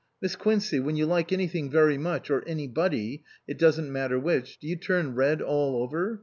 Miss Quincey when you like anything very much or anybody it doesn't matter which do you turn red all over